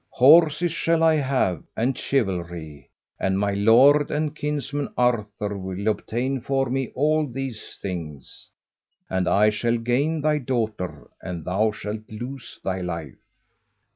Horses shall I have, and chivalry; and my lord and kinsman Arthur will obtain for me all these things. And I shall gain thy daughter, and thou shalt lose thy life."